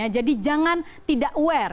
jadi jangan tidak aware